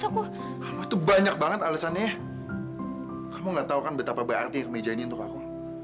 kamu gak tau kan betapa berarti kemeja ini untuk aku